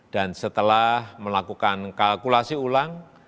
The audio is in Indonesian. dan setelah melakukan kalkulasi ulang